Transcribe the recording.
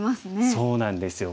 そうなんですよ。